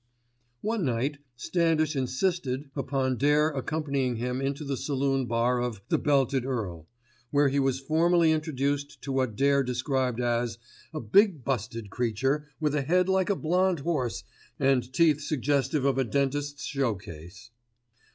One night Standish insisted upon Dare accompanying him into the saloon bar of "The Belted Earl" where he was formally introduced to what Dare described as "a big busted creature, with a head like a blonde horse and teeth suggestive of a dentist's show case."